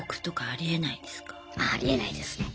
ああありえないですね。